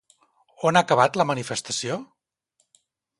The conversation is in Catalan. On ha acabat la manifestació?